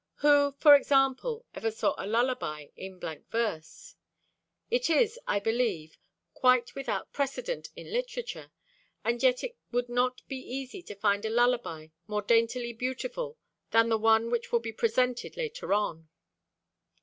Who, for example, ever saw a lullaby in blank verse? It is, I believe, quite without precedent in literature, and yet it would not be easy to find a lullaby more daintily beautiful than the one which will be presented later on.